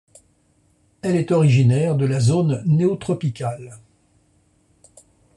Elle est originaire de la zone néotropicale.